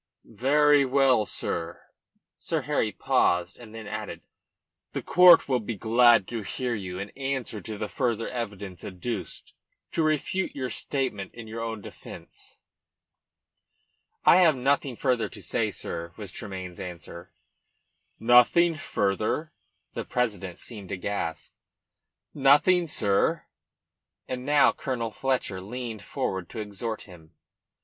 "Very well, sir." Sir Harry paused and then added "The court will be glad to hear you in answer to the further evidence adduced to refute your statement in your own defence." "I have nothing further to say, sir," was Tremayne's answer. "Nothing further?" The president seemed aghast. "Nothing, sir." And now Colonel Fletcher leaned forward to exhort him.